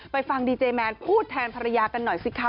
ฟังดีเจแมนพูดแทนภรรยากันหน่อยสิคะ